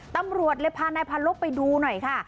ตำรวจเลยพานายพันลบไปดูหน่อยค่ะ